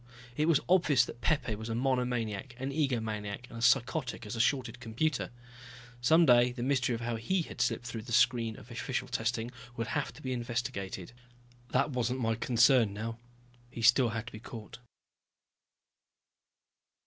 It was obvious that Pepe was a monomaniac, an egomaniac, and as psychotic as a shorted computer. Some day the mystery of how he had slipped through the screen of official testing would have to be investigated. That wasn't my concern now. He still had to be caught.